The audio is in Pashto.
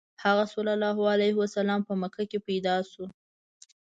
هغه ﷺ په مکه کې پیدا شو.